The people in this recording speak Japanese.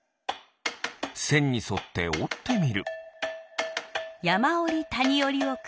せんにそっておってみる。